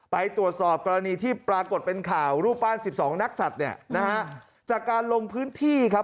ไปตรวจสอบกรณีที่ปรากฏเป็นข่าวรูปป้าน๑๒นักศัตริย์จากการลงพื้นที่ครับ